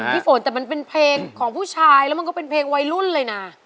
พี่ฝนแต่มันเป็นเพลงผู้ชายก็เป็นเพลงวัยรุ่นเลยนะ